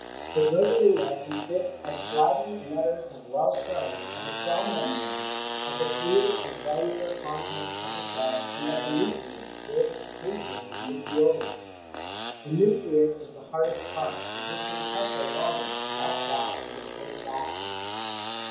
The Oregarina consists, as Schleiden and others have weU shown, of a cell membrane, of the fluid and granular contents of the cell, and of the nucleus with (occasional) nucleoli. The nucleus is the hardest part, resisting pressure longest, like that of the Polygastrian.